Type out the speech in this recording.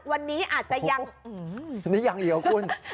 วันนี้อาจจะยังนี่ยังเหลียวคุณ